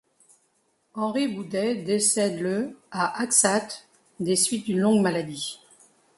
Henri Boudet décède le à Axat des suites d'une longue maladie.